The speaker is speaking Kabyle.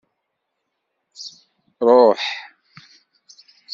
Ṛuḥ!